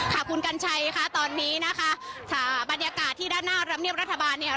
ค่ะคุณกัญชัยค่ะตอนนี้นะคะค่ะบรรยากาศที่ด้านหน้ารำเนียบรัฐบาลเนี่ย